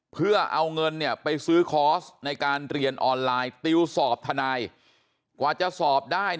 เพื่อเอาเงินไปซื้อคอร์สในการเรียนออนไลน์ติวสอบทนายกว่าจะสอบได้